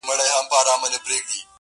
زړه یوسې او پټ یې په دسمال کي کړې بدل.